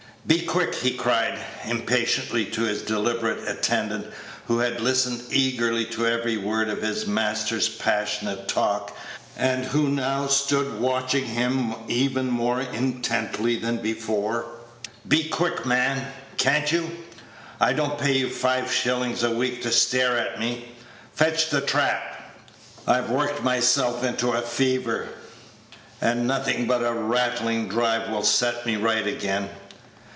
"Be quick," he cried, impatiently, to his deliberate attendant, who had listened eagerly to every word of his master's passionate talk, and who now stood watching him even more intently than before; "be quick, man, can't you? I don't pay you five shillings a week to stare at me. Fetch the trap. I've worked myself into a fever, and nothing but a rattling drive will set me right again."